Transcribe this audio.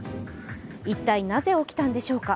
一体、なぜ起きたのでしょうか。